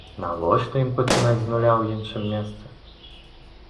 Навошта ім пачынаць з нуля ў іншым месцы?